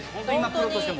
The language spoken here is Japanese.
プロとしても。